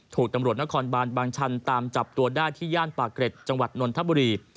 ถูกตำรวจนครบานบางชันตามจับตัวได้ที่ย่านปากเกร็ดจังหวัดนนทบุรี